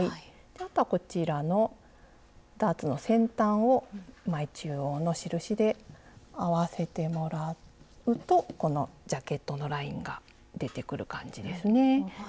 あとはこちらのダーツの先端を前中央の印で合わせてもらうとこのジャケットのラインが出てくる感じですね。